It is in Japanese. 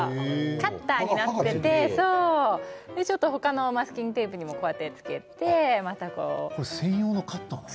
カッターになっていて他のマスキングテープにも専用のカッターなの？